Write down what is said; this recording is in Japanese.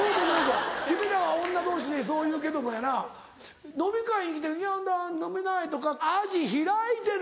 君らは女同士でそう言うけどもやな飲み会に来て「ヤダ飲めない」とか「アジ開いてる！